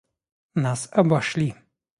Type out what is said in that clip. Нас обошли!